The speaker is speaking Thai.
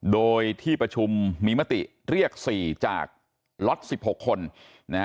โดยที่ประชุมมีมติเรียก๔จากล็อต๑๖คนนะฮะ